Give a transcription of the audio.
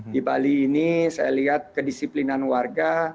di bali ini saya lihat kedisiplinan warga